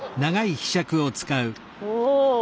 おお。